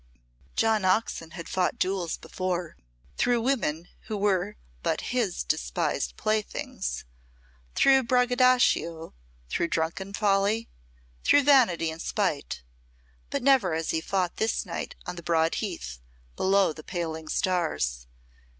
John Oxon had fought duels before, through women who were but his despised playthings, through braggadocio, through drunken folly, through vanity and spite but never as he fought this night on the broad heath, below the paling stars.